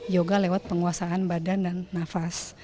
yoga lewat penguasaan badan dan nafas